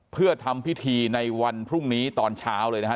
เพื่อทำพิธีในวันพรุ่งนี้ตอนเช้าเลยนะฮะ